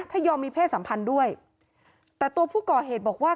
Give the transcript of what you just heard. ถ้ายอมมีเพศสัมพันธ์ด้วยแต่ตัวผู้ก่อเหตุบอกว่า